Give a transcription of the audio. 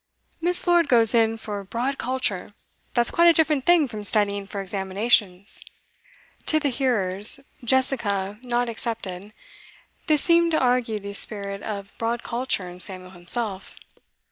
'Miss Lord goes in for broad culture; that's quite a different thing from studying for examinations.' To the hearers, Jessica not excepted, this seemed to argue the spirit of broad culture in Samuel himself.